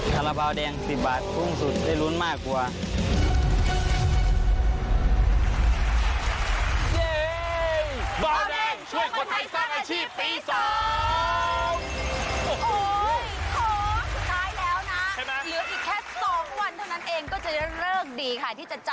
คาราบาลแดง๑๐บาทคุ้มสุดได้ลุ้นมากกว่า